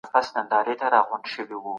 دولت به په تعلیمي نظام کي اصلاحات راولي.